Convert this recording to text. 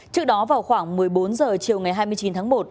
trước đó vào khoảng một mươi bốn h chiều ngày hai mươi chín tháng một